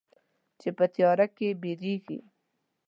چې په تیاره کې بیریږې